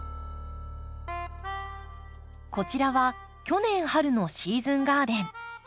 こちらは去年春のシーズンガーデン。